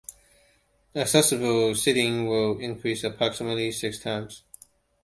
Accessible seating will increase approximately six times.